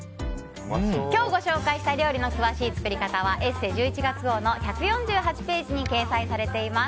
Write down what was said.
今日ご紹介した料理の詳しい作り方は「ＥＳＳＥ」１１月号の１４８ページに掲載されています。